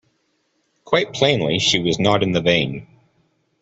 Quite plainly, she was not in the vein.